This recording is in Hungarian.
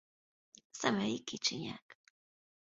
Szemei kicsinyek.